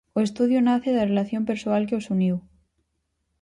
O estudio nace da relación persoal que os uniu.